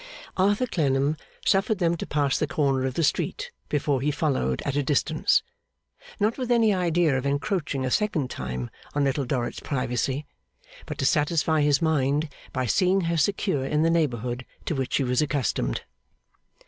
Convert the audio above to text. Arthur Clennam suffered them to pass the corner of the street before he followed at a distance; not with any idea of encroaching a second time on Little Dorrit's privacy, but to satisfy his mind by seeing her secure in the neighbourhood to which she was accustomed.